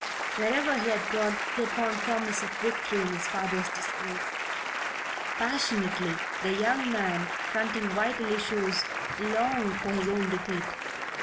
Wherever he had gone he had found promise of victory in his father's disgrace. Passionately the young man, fronting vital issues, longed for his own defeat.